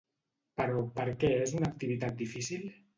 Però, per què és una activitat difícil?